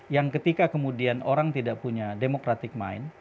yang ketika kemudian orang tidak punya democratic mind